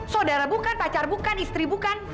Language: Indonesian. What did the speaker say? saudara bukan pacar bukan istri bukan